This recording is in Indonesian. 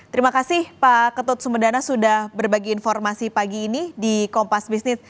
terima kasih pak ketut sumedana sudah berbagi informasi pagi ini di kompas bisnis